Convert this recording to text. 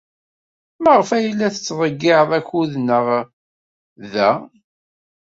Maɣef ay la nettḍeyyiɛ akud-nneɣ da?